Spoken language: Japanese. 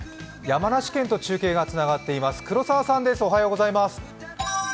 山梨県と中継がつながっています。